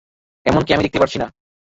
এমনকি আমি দেখতেও পারছি না।